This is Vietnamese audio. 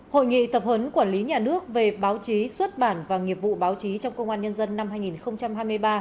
hội nghị tập huấn quản lý nhà nước về báo chí xuất bản và nghiệp vụ báo chí trong công an nhân dân năm hai nghìn hai mươi ba